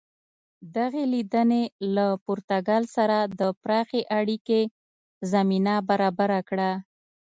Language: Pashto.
دغې لیدنې له پرتګال سره د پراخې اړیکې زمینه برابره کړه.